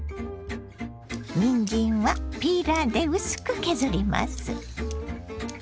にんじんはピーラーで薄く削ります。